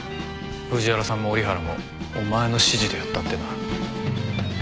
藤原さんも折原もお前の指示でやったってな。